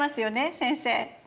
先生。